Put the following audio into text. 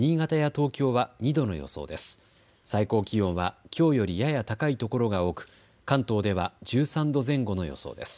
東京は２度の予想です。